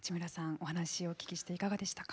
お話をお聞きしていかがでしたか？